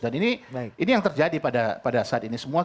dan ini yang terjadi pada saat ini semua